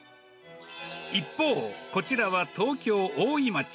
一方、こちらは東京・大井町。